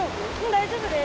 大丈夫です。